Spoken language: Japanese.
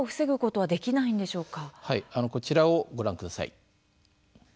はいあのこちらをご覧ください。